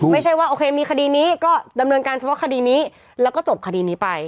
ไม่ใช่ว่าโอเคมีคดีนี้ก็ดำเนินการเฉพาะคดีนี้แล้วก็จบคดีนี้ไป